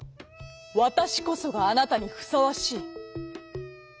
「わたしこそがあなたにふさわしい」。